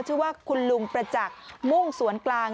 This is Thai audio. ชื่อว่าคุณลุงประจักษ์มุ่งสวนกลาง